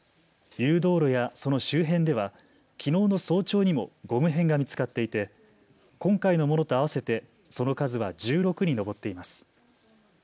誘導路やその周辺では、きのうの早朝にもゴム片が見つかっていて今回のものと合わせてその数は１６に上っています。